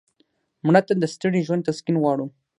مړه ته د ستړي ژوند تسکین غواړو